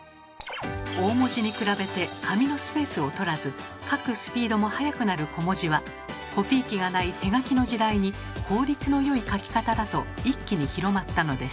大文字に比べて紙のスペースを取らず書くスピードも速くなる小文字はコピー機がない手書きの時代に効率のよい書き方だと一気に広まったのです。